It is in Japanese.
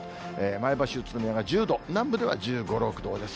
前橋、宇都宮が１０度、南部では１５、６度です。